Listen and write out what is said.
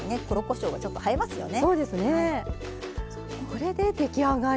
これで出来上がり。